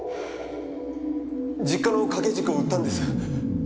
実家の掛け軸を売ったんです。